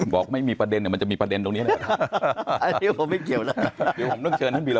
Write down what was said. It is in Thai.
บอกไม่มีประเด็นมันจะมีประเด็นตรงนี้